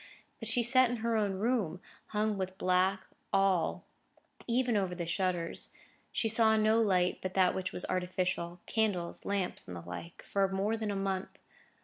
But she sat in her own room, hung with black, all, even over the shutters. She saw no light but that which was artificial—candles, lamps, and the like—for more than a month.